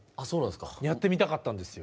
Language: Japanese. やってみたかったんですよ。